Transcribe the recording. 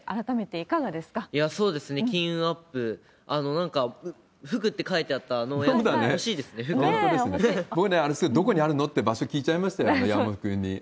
いや、そうですね、金運アップ、なんか、福って書いてあった僕ね、あれ、どこにあるの？って場所聞いちゃいましたよ、山本君に。